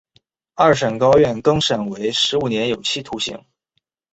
二审高院更审为十五年有期徒刑。